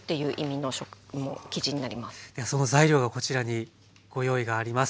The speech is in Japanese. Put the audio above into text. その材料がこちらにご用意があります。